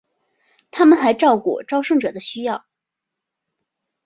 他们还照顾朝圣者的需要。